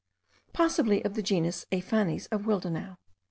Possibly of the genus Aiphanes of Willdenouw.)